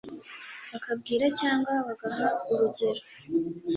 bakabwira cyangwa bagaha urugero